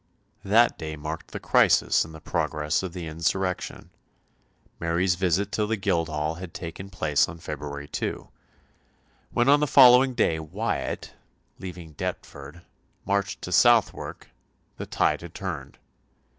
That day marked the crisis in the progress of the insurrection. Mary's visit to the Guildhall had taken place on February 2. When on the following day Wyatt, leaving Deptford, marched to Southwark the tide had turned.